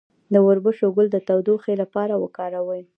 د وربشو ګل د تودوخې لپاره وکاروئ